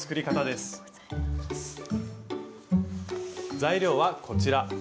材料はこちら。